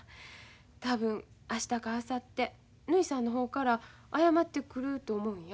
多分明日かあさってぬひさんの方から謝ってくると思うんや。